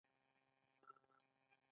دا د لیاقت او پوهې له مخې اخلي.